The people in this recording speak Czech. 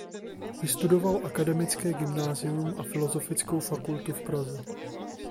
Vystudoval akademické gymnázium a filozofickou fakultu v Praze.